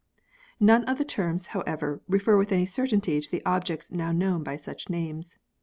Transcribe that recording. None of the terms, however, refer with any certainty to the ob jects now known by such names.